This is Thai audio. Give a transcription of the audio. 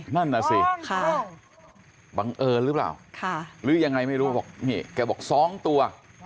นั่นสิบังเออหรือเปล่าหรือยังไงไม่รู้แกบอก๒ตัว